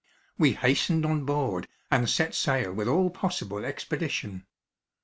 We hastened on board and set sail with all possible expedition.